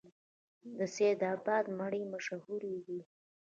د سید اباد مڼې مشهورې دي